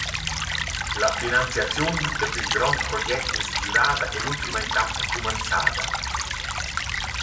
«La finanziaziun da quist grond proget es sgürada e l’ultima etappa cumanzada.